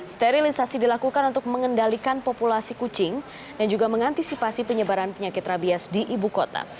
sterilisasi dilakukan untuk mengendalikan populasi kucing dan juga mengantisipasi penyebaran penyakit rabies di ibu kota